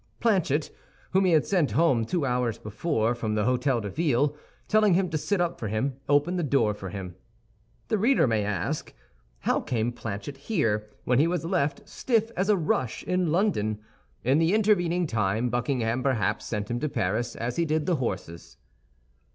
Planchet*, whom he had sent home two hours before from the Hôtel de Ville, telling him to sit up for him, opened the door for him. * The reader may ask, "How came Planchet here?" when he was left "stiff as a rush" in London. In the intervening time Buckingham perhaps sent him to Paris, as he did the horses.